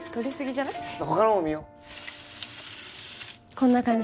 こんな感じ。